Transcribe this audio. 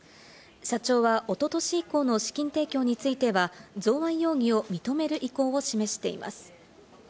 社長はおととし以降の資金提供については贈賄容疑を認める意向を示しています。